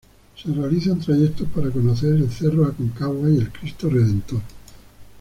Se realizan trayectos para conocer el cerro Aconcagua y el Cristo Redentor.